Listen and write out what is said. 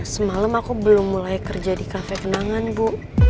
semalam aku belum mulai kerja di kafe kenangan bu